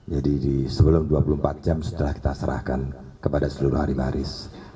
jadi sebelum dua puluh empat jam setelah kita serahkan kepada seluruh ahli waris